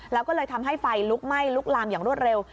แล้วก็เลยทำให้ไฟลุกไหม้ลุกลามอย่างรวดเร็ว